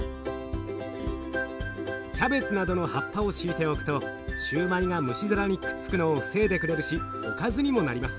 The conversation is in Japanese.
キャベツなどの葉っぱを敷いておくとシューマイが蒸し皿にくっつくのを防いでくれるしおかずにもなります。